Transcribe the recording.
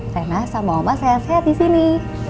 rena sama oma sehat sehat disini